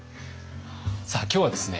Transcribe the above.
さあ今日はですね